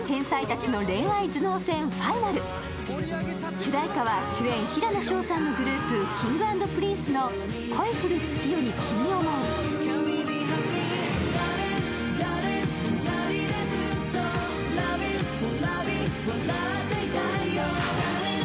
主題歌は主演・平野紫耀さんのグループ、Ｋｉｎｇ＆Ｐｒｉｎｃｅの「恋降る月夜に君想ふ」。